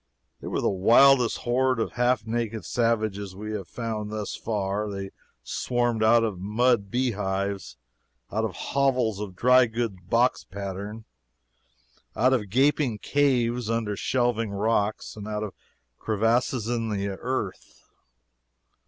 They were the wildest horde of half naked savages we have found thus far. They swarmed out of mud bee hives; out of hovels of the dry goods box pattern; out of gaping caves under shelving rocks; out of crevices in the earth.